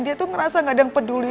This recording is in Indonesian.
dia tuh ngerasa gak ada yang peduli